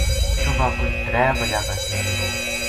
صُبح کوئی ترے بجا کا ٹیم بو